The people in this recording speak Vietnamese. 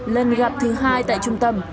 lần gặp thứ hai tại trung tâm